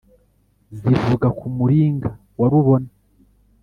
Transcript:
zivuga ku muringa wa rubona